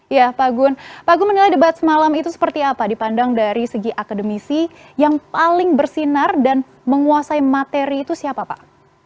ya pak gun pak gun menilai debat semalam itu seperti apa dipandang dari segi akademisi yang paling bersinar dan menguasai materi itu siapa pak